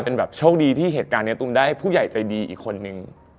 มันจะจัดการดีตี่ไฟหน้าค่อนข้าง